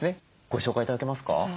ご紹介頂けますか？